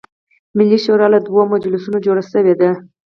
ملي شورا له دوه مجلسونو جوړه شوې ده.